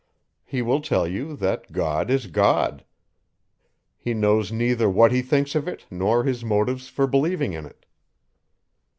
He will tell you, that God is God. He knows neither what he thinks of it, nor his motives for believing in it.